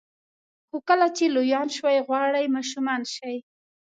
خو کله چې لویان شوئ غواړئ ماشومان شئ.